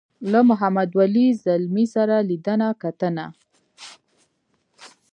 له محمد ولي ځلمي سره لیدنه کتنه.